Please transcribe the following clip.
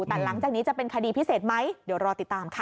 แต่หลังจากนี้จะเป็นคดีพิเศษไหมเดี๋ยวรอติดตามค่ะ